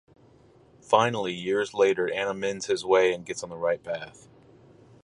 Finally years later Anna mends his way and gets on the right path.